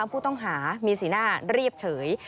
ผู้ต้องหามีสีหน้าเรียบเฉย